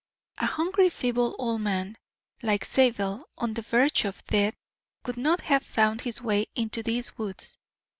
"A hungry, feeble old man, like Zabel, on the verge of death, could not have found his way into these woods.